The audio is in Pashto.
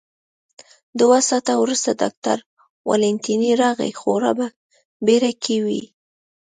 دوه ساعته وروسته ډاکټر والنتیني راغی، خورا په بېړه کې و.